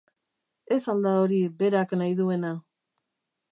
Ez al da hori berak nahi duena?